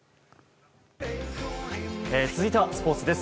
続いては、スポーツです。